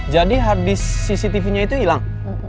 jadi harddisk cctv nya itu hilang